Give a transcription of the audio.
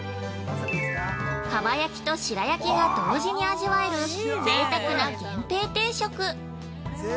◆かば焼きと白焼きが同時に味わえるぜいたくな源平定食。